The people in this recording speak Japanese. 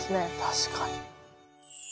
確かに。